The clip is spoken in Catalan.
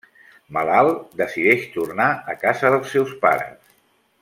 Malalt, decideix tornar a casa dels seus pares.